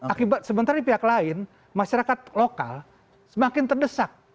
akibat sementara di pihak lain masyarakat lokal semakin terdesak